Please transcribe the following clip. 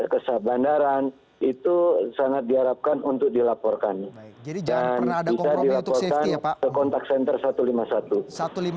kesehab bandaran itu sangat diharapkan untuk dilaporkan jadi jangan komprehensi ini contoh